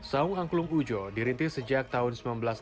saung angklung ujo dirintis sejak tahun seribu sembilan ratus enam puluh